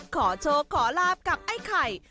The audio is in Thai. ขอโชคขอลาบกับไอ้ไข่